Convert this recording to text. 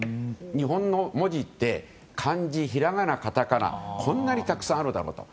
日本の文字って漢字、ひらがな、カタカナこんなにたくさんあるだろうと。